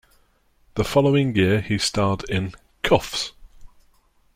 The following year he starred in "Kuffs".